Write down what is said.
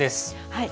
はい。